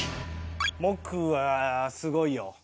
木はすごいよ。